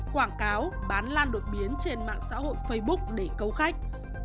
quảng cáo bán lan đột biến trên mạng xã hội facebook để câu khách